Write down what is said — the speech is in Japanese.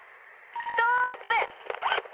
ストップ！